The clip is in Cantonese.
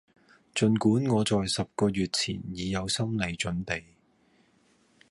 盡管我在十個月前已有心理準備